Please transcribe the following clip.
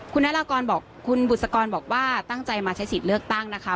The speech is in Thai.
คุณนารากรบอกคุณบุษกรบอกว่าตั้งใจมาใช้สิทธิ์เลือกตั้งนะคะ